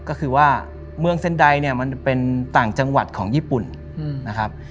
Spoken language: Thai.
ก็คือว่าเมืองเซ็นไดเนี่ยมันเป็นต่างจังหวัดของญี่ปุ่นนะครับ